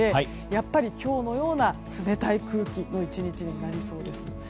やっぱり今日のような冷たい空気の１日になりそうです。